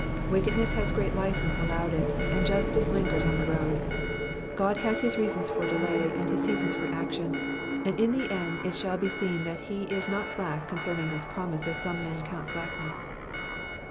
Wickedness has great license allowed it, and justice lingers on the road ; God has his reasons for delay, and his seasons for action, and in the end it shall be seen that he is not slack concerning his promise ns some men count slackness.